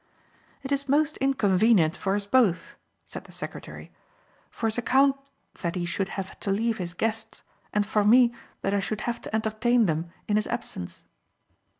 "It is most inconvenient for us both," said the secretary. "For the count that he should have to leave his guests and for me that I should have to entertain them in his absence."